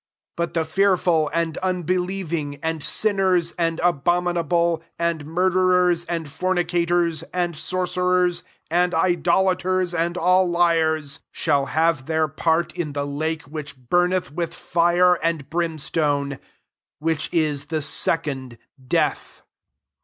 8 But the fearful} and unbelieving, and sinners, and abominable, and murderersi and fornicators, and sorcerers, and idolaters, and all liars, shall have their part in the lake which bumeth with fire and brimstone : which is the second death."